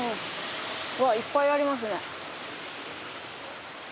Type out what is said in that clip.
いっぱいありますね。